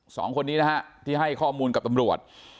สองคนนี้นะฮะที่ให้ข้อมูลกับตำรวจ